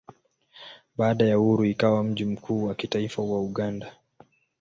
Baada ya uhuru ikawa mji mkuu wa kitaifa wa Uganda.